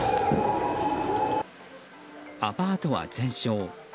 アパートは全焼。